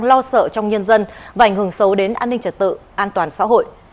lo sợ trong nhân dân và ảnh hưởng xấu đến an ninh trật tự an toàn xã hội